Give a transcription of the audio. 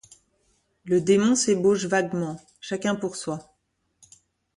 Le démon s'ébauche vaguement; chacun pour soi.